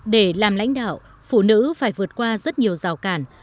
để làm lãnh đạo phụ nữ phải vượt qua rất nhiều rào cản